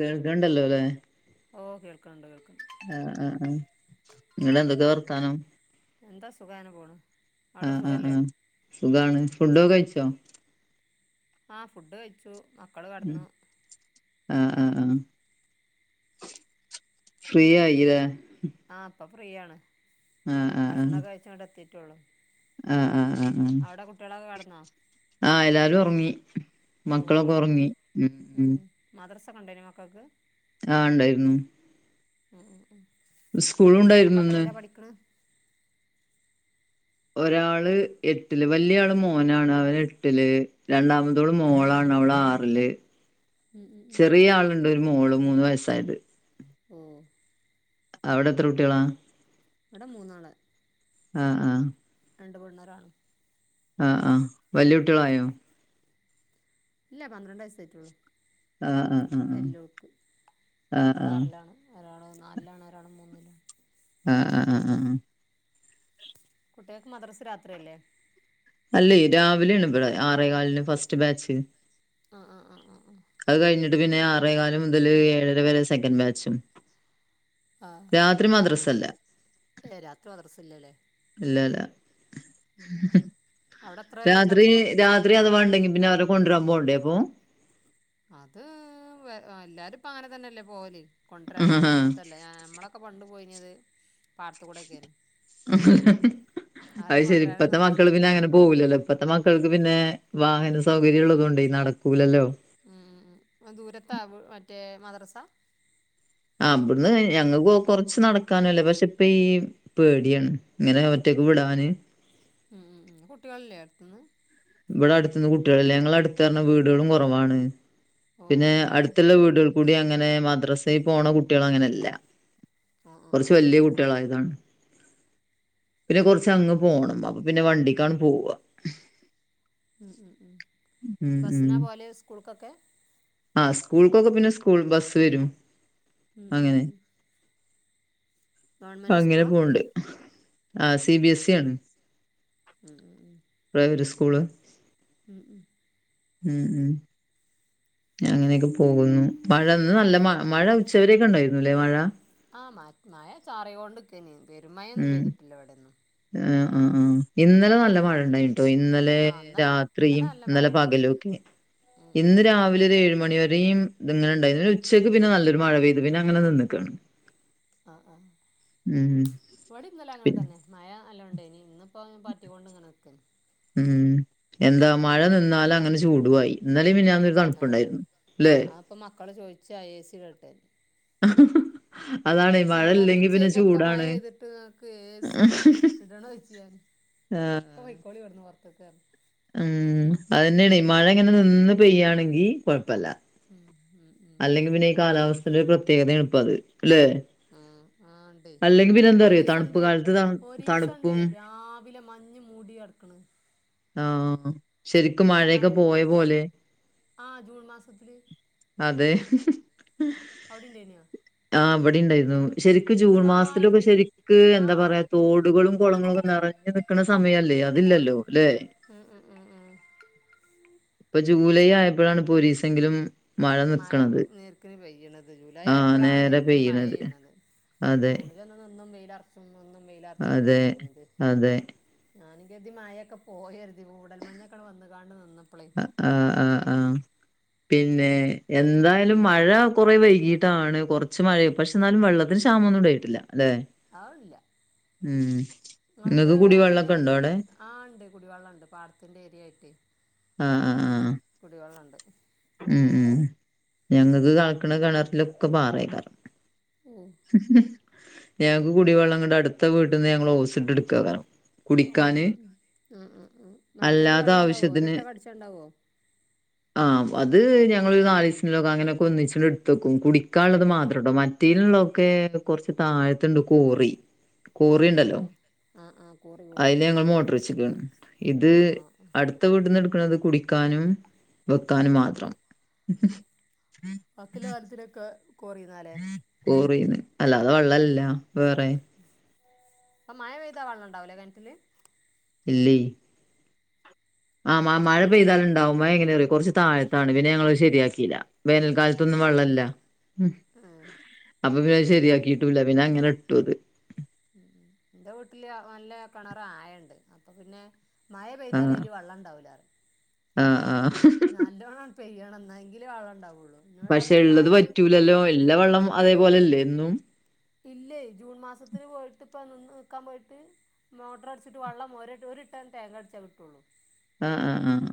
കേൾക്ക്ണ്ടല്ലോ ലെ? ഓഹ് കേൾക്ക്ണ്ട് കേൾക്ക്ണ്ട് ആഹ് ആഹ് ആഹ്. ഇന്നെട്ട് എന്തൊക്കെ വർത്താനം? എന്താ സുഖം അങ്ങനെ പോണു. ആ അയുടെ ആ സുഖം ആ അല്ലെ? സുഖാണ്. ഫുഡൊക്കെ കഴിച്ചോ? ആഹ് ഫുഡ് കഴിച്ചു. മക്കെള് കട്ന്നു ആഹ് ആഹ് ആഹ്. ഫ്രീ ആയിലെ? ആഹ് ഇപ്പ ഫ്രീയാണ്. ആ ഭക്ഷണൊക്കെ കഴിച്ച് ഇങ്ങെട്ട് എത്തിട്ടൊള്ളു. ആഹ് ആഹ് ആഹ് ആഹ് ആഹ് എല്ലാരും ഒറങ്ങി. മക്കളൊക്കെ ഒറങ്ങി. ഉം ഉം മദെർസൊക്കെ ഇണ്ടായിനോ മക്കെക്ക്? ആഹ് ഇണ്ടായിരുന്നു. ഉം ഉം സ്കൂളും ഒക്കെ ഉണ്ടായിരുന്നു ഇന്ന് എത്രെലാ പഠിക്ക്ണ്? ഒരാൾ എട്ട്ൽ വല്ല്യ ആൾ മോനാണ് അവെന് എട്ട്ൽ രണ്ടാമ ത്തോൾ മോളാണ് അവൾ ആറ്ൽ. ഉം ഉം ഉം ചെറിയ ആൾ ഇണ്ട്. ഒര് മോൾ മൂന്ന് വെയസ്സായെത്. ഓഹ് അവ്ടെ എത്ര കുട്ടിയാളാ? ഇവെടെ മൂന്നാൾ. ആഹ് ആഹ് രണ്ട് പെണ്ണും ഒര് ആണും. ആഹ് ആഹ് വല്ല്യ കുട്ടിയാൾ ആയോ? ഇല്ല പന്ത്രെണ്ട് വയസ്സ് ആയിട്ടൊള്ളു ആ ആ ആ വല്ല്യോക്ക് ആ ഓൾ ആ ആ ആർലാണ്. ഒരാൾ നാൽലാണ് ഒരാൾ മൂന്ന്ലും. ആഹ് ആഹ് ആഹ് ആഹ് ആഹ് കുട്ടിയാക്ക് മദെർസ് രാത്രി അല്ലെ? അല്ലെയ് രാവിലെയാണ് ഇവെടെ. ആറെ കാൽന് ഫസ്റ്റ് ബാച്ച്. ആഹ് ആഹ് ആഹ് ആഹ് ആഹ് അഹ് കഴിഞ്ഞ്ട്ട് പിന്നെ ആറെകാൽ മുതെൽ ഏഴര വെരെ സെക്കന്റ് ബാച്ചും. ആഹ് രാത്രി മദ്രസ ഇല്ല ഏഹ് രാത്രി മദെർസ് ഇല്ല ലെ? ഇല്ല ഇല്ല ഉം അയുടെ എത്ര വെരെ ഇണ്ട് അപ്പം? ത്രി അഥവാ ഇണ്ടെങ്കി പിന്നെ അവരെ കൊണ്ട്രാ പോണ്ടെ അപ്പൊ? അത് വെ എല്ലാരും ഇപ്പ അങ്ങനെ തെന്നെ അല്ലെ പോവെൽ? കൊണ്ട്രാനൊന്നും വന്ന്ട്ട് അല്ല ഞാ നമ്മളൊ ക്കെ പണ്ട് പോയിനെത് പാട്ത്ത് കൂടെ ഒക്കെ അല്ലെ? അഹ് ശരി ഇപ്പത്തെ കൊണ്ടുവരാനൊന്നും മക്കെൾ പിന്നെ വന്നിട്ടില്ലേനി അങ്ങനെ പോവുലല്ലോ? ഇപ്പത്തെ മക്കെൾക്ക് പിന്നെ വാഹന സൗകര്യം ഇള്ളതോണ്ടെയ് ഉം നടക്കൂലല്ലോ? ഉം ഉം ഉം ദൂരത്താവും മറ്റെ മദ്റെസാ? ആഹ് ഇബെട്ന്ന് ഞങ്ങെക്കു കൊറ്ച്ച് നട്ക്കാനും അല്ല പക്ഷെ ഇപ്പ ഈ പേടിയാണ് ഇങ്ങനെ ഒറ്റെയ്ക്ക് വിടാന് ഉം ഉം ഉം കുട്ടിയാൾ ഇല്ലെ അട്ത്ത്ന്ന്? ഇ ബെടെ അട്ത്ത്ന്ന് കുട്ടിയാൾ ഇല്ല. ഞങ്ങളെ അട്ത്ത് പർണാ വീടാളും കൊറവാണ്. ഓ പിന്നെ ഓ ഓ അട്ത്ത്ള്ള വീട് ആൾ കൂടി അങ്ങനെ മദ്രാസെ പോണ കുട്ടിയാൾ അങ്ങനെ ഇല്ല ഓ ഓ ഓ കൊർച്ച് ഓ വെല്ല്യ കുട്ടിയാൾ ആയതാണ് പിന്നെ കൊർച്ച് അങ്ങ് പോണം. അപ്പ പിന്നെ വണ്ടിക്കാണ് പോവാ. ഉം ഉം ഉം ഉം ബസ്സ്നാ പോവെൽ സ്കൂൾക്കൊക്കെ ആഹ് സ്കൂൾക്കൊക്കെ പിന്നെ സ്കൂൾ ബസ്സ് വെരും. ഉം ഉം ഉം ഗവൺമെൻറ് അങ്ങനെ സ്കൂളാ പോവ്ണ്ട് ആഹ് സി ബി എസ് സി ആണ് മ്മ്മ്മ് [unintelligible] പ്രൈവറ്റ് സ്കൂൾ ഉം ഉം.. [unintelligible] ഉം ഉം.. [unintelligible] അങ്ങനെയൊക്കെ പോകുന്നു മഴഇന്ന് നല്ല മ മഴ ഉച്ചവരൊക്കെ ഉണ്ടായിരുന്നു അല്ലേ മഴ ആഹ് മ മഴ ചാറി കൊണ്ടുക്കാനായിന് പെരുമായൊന്നും പെയ്തിട്ടില്ല ഇവിടെ ഇന്നു എ ആഹ് ആഹ് ഇന്നലെ നല്ല മഴ ഇണ്ടായിന് [unintelligible] ഇന്നലെ ആ ഇന്നലെ രാത്രിയും നല്ല ഇന്നലെ മഴണ്ട് പകലും [unintelligible] ഉം ഉം ഇന്ന് ഉം രാവിലെ ഒരു ഏഴ് മണി വരെയുംഇത് ഇങ്ങനെണ്ടായി ഒരു ഇന്ന് രാവിലെ എഴുമണിവരെയും ഇത് അങ്ങനെ ഇണ്ടായിന് ഉച്ചയ്ക്ക് പിന്നെ നല്ലൊരു മഴ പെയ്തു പിന്നെ അങ്ങനെ നിന്ന് ക്കാണ് ആഹ് ആഹ് ഉം. ഇവിടെയും ഇന്നലെ അങ്ങനെ പിന്നെ തന്നെ മഴ നല്ലോണം ഇണ്ടായിനി ഇന്ന്പ്പൊ പാറ്റികൊണ്ട് ഇങ്ങനെ നിക്ക്ണ് ഉം എന്താ മഴ നിന്നാല് അങ്ങനെ ചൂടുവായി ഇന്നലിം മിനിഞാന്നും ആ ആ ഇപ്പ മക്കള് ചോയിച്ച ഐ സി ഇടട്ടെ ഹ ഹ ഹ... ഞാൻ പർഞ് ഇച്ചെക്കൊക്ക മഴ പെയ്ത്ട്ട് ഇങ്ങക്ക് എ സി ഇടണോ ചോയ്ച്ച ആഹ്. ഒക്ക പൊയ്ക്കോളി വട്ന്ന് പൊർത്ത്ക്ക് പർഞ് ഉം അതന്നെണെ മഴ ഇങ്ങനെ നിന്ന് പെയ്യാണെങ്കി കൊഴപ്പല്ല ഉം ഉം ഉം അല്ലെങ്കി പിന്നെ ഈ കാലാവസ്ഥടെ ഒരു പ്രത്യേകതയാണ് ഇപ്പ അത് ല്ലെ ഉം ആ ഇണ്ട് തണുപ്പ് ഒരീസണ്ട് കാലത്ത് ത തണുപ്പും ഒരീസണ്ടേ രാവിലെ മഞ്ഞ് മൂടി കട്ക്ക്ണ് ആ ശരിക്കും ഈ മയെക്ക മഴ ഈ പോയ പോലെ. ആ ജൂൺ മാസത്തില് അതെ അവിടെ ഇണ്ടേനോ ആ ഇവടിം ഇണ്ടായിരുന്നു ശരിക്ക് ജൂൺ മാസ്ത്തിലൊക്ക ഫുള്ളായിട്ട് ശരിക്ക് ആ എന്താ പറയാ തോടുകളും കൊളങ്ങളൊക്ക നറഞ്ഞ് നിക്ക്ണ സമയല്ലേ അതില്ലല്ലോ ല്ലെ ഉം ഉം ഉം ഉം. ഇപ്പൊ ജൂലൈ ആയപ്പഴാണ് ഇപ്പൊ ഒരീസങ്കിലും മഴ നിക്ക്ണത് നേർക്കിന് പെയ്യണത് ജൂലൈ ആ ആയപ്പോഴാണ് നേരെ നേർക്കിന് പെയ്യ്ണത് അതെ വന്നും വെയിലർച്ചും വന്നും വെയിലർച്ചും ല്ലെ അതെ നിന്നീനിയത് അതെ ഞാനും കര്തി മഴ ഒക്ക പോയര്തി മൂടൽ മഞ് ഒക്ക അങ്ങട്ട് വന്ന്കാണ്ട് നിന്നപ്പളെ ആ ആ ആ പിന്നെ എന്തായാലും മഴ കോറെ വൈകീട്ടാണ് കൊർച്ച് മഴ പക്ഷെ ന്നാലും വെള്ളത്തിന് ക്ഷാമൊന്നും ഇണ്ടായിട്ടില്ല ലെ അതില്ല ഉം നിങ്ങൾക്ക് ഇങ്ങക്ക് വേനലിന് കുടിവെള്ളക്ക ഇണ്ടോ അവ്ടെ ആ ഇണ്ട് കുടിവെള്ള ഇണ്ട് പാട്ത്തിന്റെ ഏരിയ ആയിട്ട് ആ ആ ആ കുടി വെള്ളണ്ട് ഉം ഉം ഞങ്ങക്ക് കൾക്ക്ണ കെണർലൊക്ക പാറേയ്ക്കാരം ഉം ഞങ്ങക്ക് കുടി വെള്ളം ന്നട്ട് അടുത്ത വീട്ട്ന്ന് ഞങ്ങള് ഓസ് ഇട്ട് എട്ക്കാരാണ് ഉം ഉം ഉം ആ ആ ആ മറ്റേല് അല്ലാതെ വള്ളം ഇണ്ടാവോ ആവശ്യത്തിന് ഒരട്ടക്ക അട്ച്ചാൻ ഇണ്ടാവോ ആ അത്‌ ഞങ്ങള് ഒരു നാലീസ്ത്തിനോക്ക അങ്ങനോക്ക ഒന്ന്ചാണ്ട് ഇട്ത്തക്കും കുടി ക്കാള്ളത് മാത്രം ട്ടോ മറ്റേല്ള്ളൊക്കെ കൊർച്ച് തായ്ത്ത്ണ്ട് കോറി ആഹ് കോറിണ്ടല്ലോ ആഹ് ആഹ് ആഹ് കോറി കോറി അയില് ഞങ്ങള് മോട്ടർ വെച്ച്ക്കാണ് ഇത് ആഹ് ആഹ് ആഹ് അട് ത്ത വീട്ട്ന്ന് ഇട്ക്ക്ണത് കുടിക്കാനും ക്കാനും മാത്രം ബാക്കിള്ള കാര്യത്തിനൊക്ക കൊറിന്നാ ലെ കൊറീന്ന് അല്ലാത വെള്ളല്ല വേറെ പ്പം മഴ പെയ്താ വെള്ളം ഉണ്ടാവു ല്ലേ? കിണറ്റില്. ഇല്ലേ ആമ മഴ ഉം പെയ്താലുണ്ടാവും [unintelligible] എങ്ങനെ അറിയോ കൊറച്ച് താഴത്താണ് പിന്നെ ഞങ്ങള് അത് ശരിയാക്കിയില്ല വേനൽക്കാലത്തൊന്നും വെള്ളല്ല ഉം ഉം അപ്പൊ, പിന്നെ അത് ശരിയാക്കിട്ടുല്ല. പിന്നെ, അങ്ങനെ ഇട്ടു അത്. എന്റെ വീട്ടില് നല്ല കിണറ് ആയം ണ്ട്. അപ്പൊ, പിന്നെ. മഴ പെയ്താല് ആഹ്. അതില് വെള്ളം ഉണ്ടാവൂല പറയും. ആഹ് ആഹ്. നല്ലോണം പെയ്യണം എന്നങ്കിലെ വെള്ളണ്ടാവൊള്ളൂ പക്ഷെ ഇള്ളത് വറ്റൂലല്ലോ? ഇള്ള വെള്ളം അതേപോലെല്ലേ എന്നും? ഇല്ലേ ജൂൺ മാസത്തിന് പോയിട്ട് ഇപ്പ നിന്ന് നിക്കാൻ പോയിട്ട്- മോട്ടർ അടിച്ചിട്ട് വെള്ളം ഒരേ ഒരുട്ടൺ തെങ്ങ അടിച്ചാൽ കിട്ടുയുള്ളൂ ആഹ് ആഹ് ആഹ്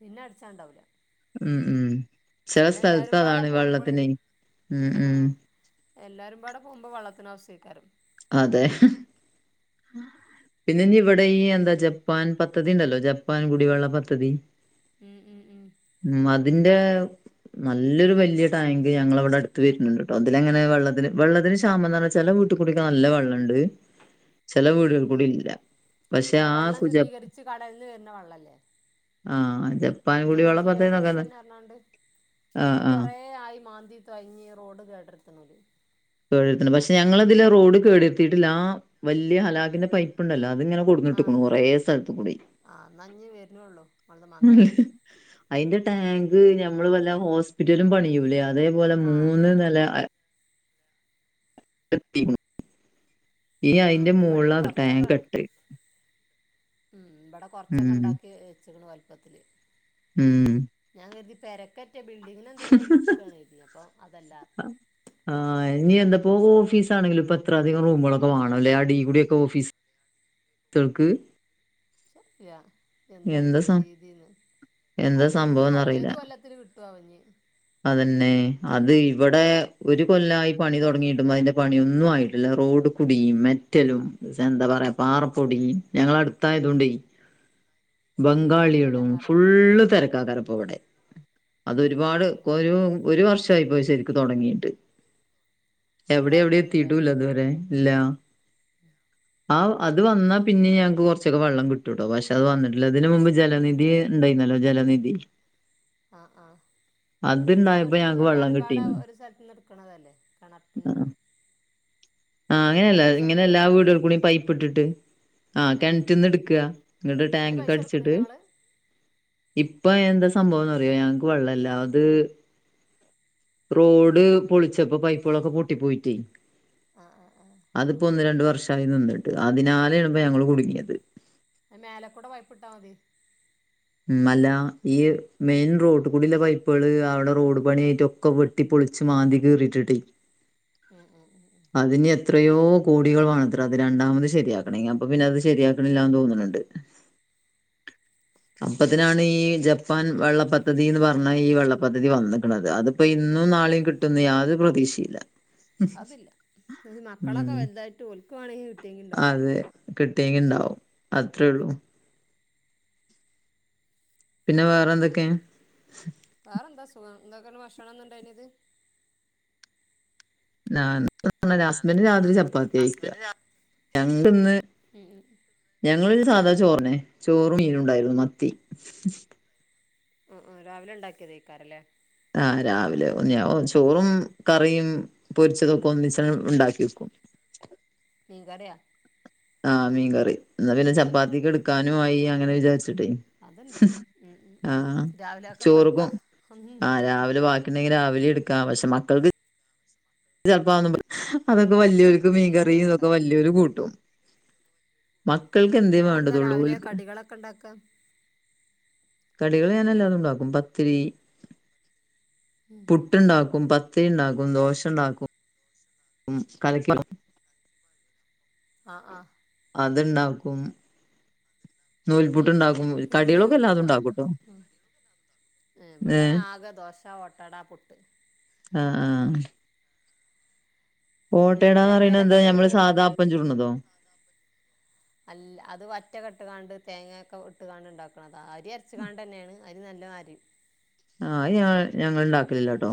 പിന്നെ, അടിച്ചാണ്ടാവു ല്ല. ഉം ഉം. ചെല പിന്നെ എല്ലാരും സ്ഥലത്ത് പാട അതാണ് പോകുമ്പളേ വെള്ളത്തിനെ. ഉം ഉം. ആഹ് എല്ലാരും പാടെ പോകുമ്പോ, വെള്ളത്തിന് അവശ്യ മായിരിക്കും. അതെ പിന്നെ ഇഞ്ഞ് ഇവിടെ ഈ എന്താ ജപ്പാൻ പദ്ധതി ഇണ്ടല്ലോ ജപ്പാൻ കുടിവെള്ള പദ്ധതി ഉം ഉം ഉം ഉം അതിന്റെ നല്ലൊരു വെല്യ ടാങ്ക് ഞങ്ങളെവിടെ അടുത്ത് വെരുന്നുണ്ട്ട്ടോ ഇതിലങ്ങനെ വെള്ളത്തിന് വെള്ളത്തിന് ക്ഷാമം പറഞ്ഞാ ചെല വീട്ട് കുടിക് നല്ല വള്ളം ഉണ്ട്. ചെല വീടുകൾ കൂടി ഇല്ല പക്ഷെ അത് ആ വെള്ളം സുജം ശുദ്ധീകരിച്ച് കടലിന്ന് വരുന്ന ആഹ്, ജ ജൻ ജീവൻ മിഷൻ എന്ന് പറഞ്ഞാണ്ട് ആഹ് അത് ആഹ്. കൊറേ ആയി മാന്തി തൊയ ഞ്ഞ് റോഡ് കേട്ര്ത്ത്ണത്. തൊഴിത്തണ്ട് പക്ഷെ, ഞങ്ങള്. ത് ല്ലെ റോഡ് കേട് വര്ത്തീട്ടില്ല ആ വല്യ ഹലാക്കിന്റെ പൈപ്പ്ണ്ടല്ലോ അത്ങ്ങനെ കൊട് എന്നിട്ട് ആഹ് കൊറേ സ്ഥലത്ത് കൂടി ആഹ് എന്നാ ഇഞ്ഞ് വരുന്നൊള്ളൂ ഓളത് മാന്താന് അയ്ന്റെ ടാങ്ക് ഞമ്മള് വല്ല ഹോസ്പിറ്റലും പണിയൂലേ അതേപോലെ ആഹ് മൂന്ന് നെല എ എത്തീക്കണു ആഹ് അത് ഇബടിം മുകളിലാണ് കൊറച്ചൊക്ക ടാങ്ക് കെട്ട് ഉം ഇബടെ കൊറച്ചൊക്കെ ഉം ഇണ്ടാക്കി വച്ചക്കണു വലുപ്പത്തില് ഉം ഞാൻ കര്തി പെരക്കെറ്റ ബിൽഡിങ്ങ് എന്തിനെങ്കിലും ഇട്ക്കാണ്ന്ന് കരുതീനി, അപ്പം അതല്ലാ. ആഹ് ഇനി എന്തപ്പോ ഓഫീസ് ആണെങ്കിലും ഇപ്പോ എത്ര അധികം റൂമുകളൊക്കെ വേണം അല്ലെ അടീകൂടി ഒക്കെ ഓഫീസ് തൾക്ക് ച [unintelligible] പ്പ്യാ എന്താ ഇത് രീതില് എന്താ അത് യെന്ന് സംഭവം എന്നറിയില്ല ഏത് കൊല്ലത്തിന് കിട്ടോ ആവം ഞ്. അതന്നെ അത് ഇവടെ ഒരു കൊല്ലായി പണി തൊടങ്ങീട്ടും അയ്ന്റെ പണിയൊന്നും ആയിട്ടില്ല റോഡ് കുടി മെറ്റലും സ് എന്താ പറയാ പാറ പൊടി ഞങ്ങള് അടുത്തായതു കൊണ്ടേ ഉം ഉം എല്ലാം ബംഗാളികളും കറിയാ ഫുള്ള് തെരക്ക് ക്കാക്കാര ഇപ്പോ വടെ. അതൊരുപാട് ഉം കൊരു ഒരു വർഷായി ഇപ്പത് ശരി ക്ക് തൊടങ്ങീട്ട്. എവിടി എവിടി ഫുള്ളായിണ്ടാവൂലല്ലേ എത്തീട്ടൂല്ല ഇതുവരെ. ഇല്ല. [inaudible] ആ അ ഇത് വന്നാ പിന്നീ ഞങ്ങക്ക് കൊറച്ചൊക്കെ വെള്ളം കിട്ടൂട്ടോ പക്ഷെ അത് വന്നിട്ടില്ലാ ഇതിന് മുമ്പ് ജലനിധി ഇണ്ടായിന്നല്ലോ ജലനിധി ആഹ് ആഹ് ജലനിധി അതുണ്ടായപ്പോ ഇവടന്ന് ഞങ്ങക്ക് വെള്ളം എല്ലാരുംപാടെ കിട്ടീന്ന് ഒരു സ്ഥലത്ത് എടുക്കണതല്ലേ [unintelligible] ആഹ് അതിന് അങ്ങനെയല്ല പൈസ ഇങ്ങനെ കൊടുക്കൂല എല്ലാ ഇങ്ങള് വീടുകളിൽ കൂടി പൈപ്പ് ഇട്ടിട്ട് ആ ഏഹ് കെണറ്റിന്ന് എടുക്കുക എന്നിട്ട് അതിന് ടാങ്ക്ക്ക് പൈസ കൊടുക്കണില്ല അടിച്ചിട്ട് ഇങ്ങള് ഇപ്പ എന്താ സംഭവംന്നറിയോ ഞങ്ങക്ക് വെള്ളല്ല അത് റോഡ് പൊളിച്ചപ്പോ പൈപ്പേളൊക്കെ പൊട്ടി പോയിട്ടേ ആഹ് ആഹ് അതിപ്പോ ഒന്ന് രണ്ട് വർഷായി നിന്നിട്ട് അതിനാലെയാണ് ഇപ്പോ ഞങ്ങള് കുടുങ്ങിയത് മേലക്കൂടെ പൈപ്പിട്ട മതി മല്ല ഈ മെയിൻ റോട്ടിക്കൂടെള്ള പൈപ്പേള് അവടെ റോഡ് പണിയായിട്ട് ക്ക വെട്ടി പൊളിച്ച് മാന്തി കീറിട്ട്ട്ടേ ഉം ഉം ഉം ഉം അതിന് എത്രയോ കോടികൾ വേണത്രേ അത് രണ്ടാമത് ശരിയാക്കണെങ്കി അപ്പൊ പിന്നെ അത് ശരിയാക്കണില്ലാന്ന് തോന്നണ്ട് അപ്പത്തിനാണ് ഈ ജപ്പാൻ വെള്ള പദ്ധതിന്ന് പറഞ്ഞാ ഈ വെള്ള പദ്ധതി വന്നിക്കണത് അതിപ്പോ ഇന്നും നാളെയും കിട്ടുന്നു യാതൊരു പ്രതീഷയില്ല അതില്ല ഈ മക്കളൊക്കെ വലുതായിട്ട് ഓൽക്കുവാണെങ്കിൽ കിട്ടിയെങ്കി ഇണ്ടാവും അതെ കിട്ടിയെങ്കി ഇണ്ടാവും അത്രേ ഒള്ളൂ പിന്നെ വേറെ എന്തൊക്കെ വേറെ എന്താ സുഖം എന്തൊക്കേ ഭക്ഷണംന്നുണ്ടായത് ന്റെ ഹസ്ബന്റ് രാത്രി ചപ്പാത്തി കഴിക്ക ഹസ്ബൻഡ് രാ ഞങ്ങക്കിന്ന് ഉം ഞങ്ങള് സാധാ ചോറന്നേ ചോറും മീനുണ്ടായിരുന്നു മത്തി ആ ആ രാവിലെ ഇണ്ടാക്കിയതക്കാരം ലേ ആ രാവിലെ ചോറും കറിയും പൊരിച്ചതൊക്കെ ഒന്നിച്ചങ്ങ് ഇണ്ടാക്കി വെക്കും മീൻകറിയ ആ മീൻ കറി എന്ന പിന്നെ ചപ്പാത്തിക്ക് എടുക്കാനും ആയി അങ്ങനെ വിചാരിച്ചിട്ടേ അതിണ്ട് ഉം ഉം ഉം ആഹ് രാവിലൊക്കെ എടുക്കാ പിന്നെ രാവിലെ എടുക്കാ പക്ഷെ മക്കൾക്ക് ചെപ്പ അതൊക്കെ വല്യോർക്ക് മീൻ ഏ കറിയും അങ്ങനെണ്ടോ ഇതൊക്കെ വല്യോര് കൂട്ടും ഉം മക്കൾക്ക് ഉം എന്തേയും നിങ്ങളെന്താ വേണ്ടതുള്ളു രാവിലെ ഓൽക്ക് കടികളൊക്കെ ഉണ്ടാക്കുക കടികള് ഞാൻ എല്ലാതും ഉണ്ടാക്കും പത്തിരി പു ട്ട്ണ്ടാക്കും പത്തിരി ഉണ്ടാക്കും ദോശ ഉണ്ടാക്കും കലക്കി ആഹ് ആഹ് അത്ണ്ടാക്കും നൂൽപുട്ടുണ്ടാക്കും ഇഡലി കടികളൊക്കെ എല്ലാതും നൂൽപുട്ടാ ഉണ്ടാക്കുംട്ടോ ഉം ഏ ഇവടെ ആകെ ദോശ ഓട്ടട പുട്ട് ആഹ് ആഹ് ഓട്ടടാന്ന് ഞമ്മൾ പറയണത് എണ്ണയിലൊക്കെ എന്താ എന്തേലും നമ്മള് പോ സാദാപ്പം ചുടണതോ അല്ല അത് വറ്റൊക്കെ ഇട്ട്കാണ്ട് തേങ്ങൊക്കെ ഇട്ട്കാണ്ട് ഇണ്ടാക്കും അരി അരച്ചുകാണ്ടെന്നെയാണ് അരി നല്ല അരി ആ അത് ഞ ഞങ്ങൾ ഇണ്ടാക്കലില്ലാട്ടോ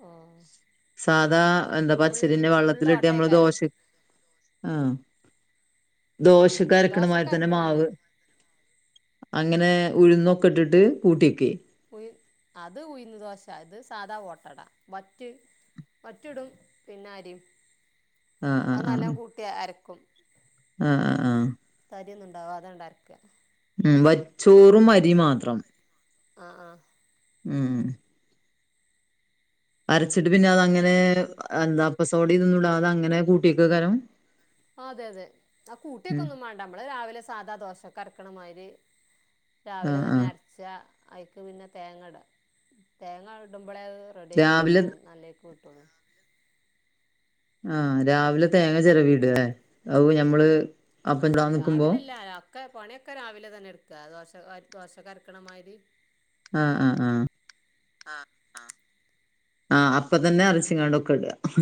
ഓ സാധാ എന്താ പച്ചരിയെന്നെ ഫുള്ള് വെള്ളത്തിലിട്ട് നമ്മള് ഓട്ടേക്കാരം ദോശ ആ ദോശക്ക് ദോശൊക്കെ അരക്കണമാരിതന്നെ അരക്കണന്നെ മാവ് അങ്ങനെ ഉഴുന്നൊക്കെ ഇട്ടിട്ട് കൂട്ടിയെക്കെ ഉ അത് ഉയിന്ന് ദോശ ഇത് സാധാ ഓട്ടടാ മറ്റ് പറ്റിടും പിന്നരിയും ആഹ് അത് ആഹ് നല്ലോം ആഹ് കൂട്ടി അരക്കും ആഹ് ആഹ് തരിയൊന്നുണ്ടാവാതെ അതരക്കുക ഉം വച്ചോറും അരീം മാത്രം ആഹ് ആഹ് ഉം അരച്ചിട്ട് പിന്നെ അതങ്ങനെ എന്താ അപ്പസോടിയം ഇതൊന്നും ഇടാതെ അങ്ങനെ കുട്ടിവെക്കക്കാരം ആഹ് അതെ അതെ അത് കൂട്ടിയൊക്കെ ഒന്നും വേണ്ട നമ്മള് രാവിലെ സാദാ ദോശക്ക് അരക്കണമാതിരി രാവിലെ ആഹ് തന്നെ ആഹ് അരച്ചാ അയ്ക്ക് പിന്നെ തേങ്ങാട തേങ്ങ ഇടുമ്പോളേ അത് രാവിലെ [unintelligible] നല്ലെൽക്ക് കുട്ടൊള്ളു ആഹ് രാവിലെ തേങ്ങ ചെറവിടഏ ഞമ്മള് അപ്പം ആഹ് ചുടാൻ നിക്കുമ്പോ രാവിലല്ല ഒക്കെ പണിയൊക്കെ രാവിലെ തന്നെ എടുക്കാ ദോശ ദോശക്കരക്കണമാതിരി ആഹ് ആഹ് ആഹ് ആഹ് ആഹ് അപ്പൊത്തന്നെ അരച്ചിങ്ങാണ്ടൊക്കെ ഇടാം